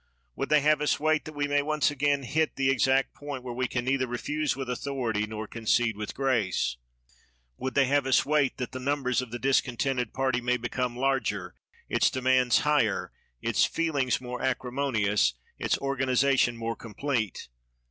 Would they have us wait, that we may once again hit the exact point where we can neither refuse with authority nor concede with grace? Would they have us wait, that the numbers of the discontented party may become larger, its demands higher, its feelings more acrimonious, its organization more complete?